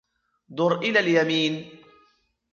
دُر إلى اليمين.